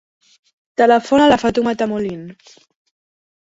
Telefona a la Fatoumata Moline.